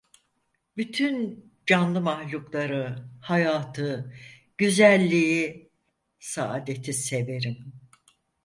Bütün canlı mahlukları, hayatı, güzelliği, saadeti severim.